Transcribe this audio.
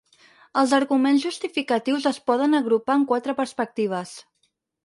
Els arguments justificatius es poden agrupar en quatre perspectives.